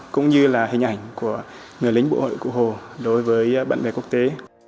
cũng như là hình ảnh của người lính bộ hội cụ hồ đối với bạn bè quốc tế